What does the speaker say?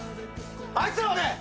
あいつらはね